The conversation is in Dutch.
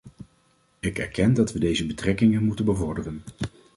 Ik erken dat we deze betrekkingen moeten bevorderen.